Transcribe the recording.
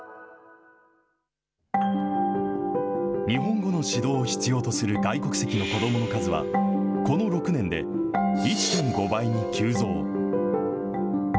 日本語の指導を必要とする外国籍の子どもの数は、この６年で１．５倍に急増。